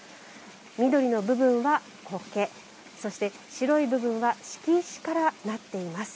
緑の部分は苔そして白い部分は敷石からなっています。